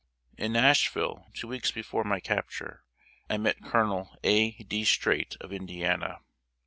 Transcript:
In Nashville, two weeks before my capture, I met Colonel A. D. Streight, of Indiana.